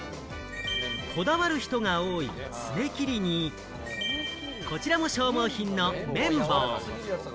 こだわる人が多い爪切りに、こちらも消耗品の綿棒。